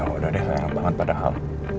ya udah deh sayang banget pada al